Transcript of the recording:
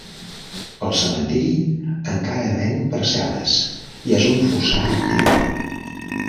El cementiri encara ven parcel·les i és un fossar actiu.